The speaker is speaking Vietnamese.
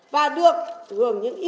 và được gửi đến các doanh nghiệp